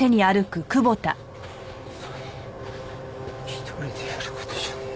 １人でやる事じゃねえ